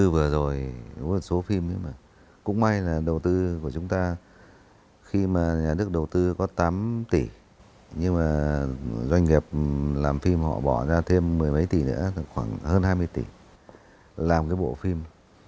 đầu tư vừa rồi số phim cũng may là đầu tư của chúng ta khi mà nhà nước đầu tư có tám tỷ nhưng mà doanh nghiệp làm phim họ bỏ ra thêm mười mấy tỷ nữa khoảng hơn hai mươi tỷ làm cái bộ phim